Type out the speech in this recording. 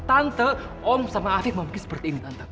tante om sama arief mungkin seperti ini tante